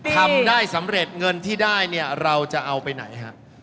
ทำได้สำเร็จเงินที่ได้เนี่ยเราจะเอาไปไหนฮะ